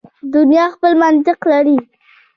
دنیا خپل منطق لري.